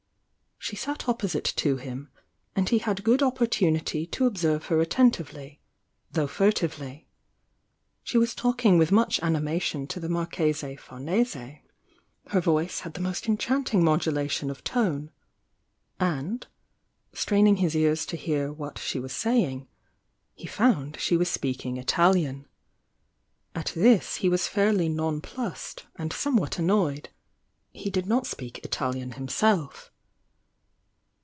She sat opposite to him, and he had good opportunity to observe her attentively Jn.°Hf /"*l'^^^? l^^ '^^^ talking with much ani^ mation to the Marchese Famese,— her voice had the most enchanting modulation of tone,— and, strain ing his ears to hear what she was saying, he found she was speakmg Italian. At this he was fairly non plussed and somewhat annoyed— he did not speak Italian hunself